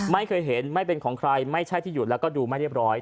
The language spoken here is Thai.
ไม่เคยเห็นไม่เป็นของใครไม่ใช่ที่หยุดแล้วก็ดูไม่เรียบร้อย